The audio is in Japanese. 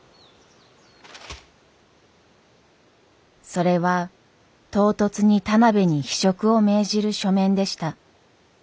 それは唐突に田邊に非職を命じる書面でした。